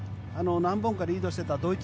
何本かリードしていたドイツ